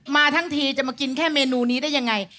มาทั้งทีจะมากินแค่เมนูนี้ได้ยังไง